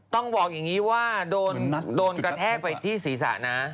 ต้องบอกอย่างนี้ว่าโดนกระแทกไปที่ศีรษะนะ